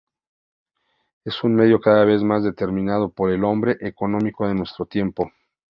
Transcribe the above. Es un medio cada vez más determinado por el hombre económico de nuestro tiempo.